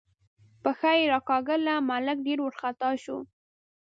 پښه یې راکاږله، ملک ډېر وارخطا شو.